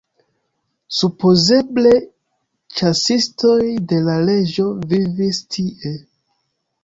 Supozeble ĉasistoj de la reĝo vivis tie.